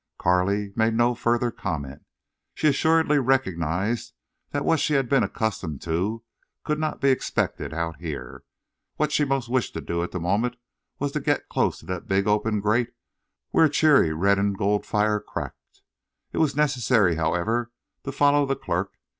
Carley made no further comment. She assuredly recognized that what she had been accustomed to could not be expected out here. What she most wished to do at the moment was to get close to the big open grate where a cheery red and gold fire cracked. It was necessary, however, to follow the clerk.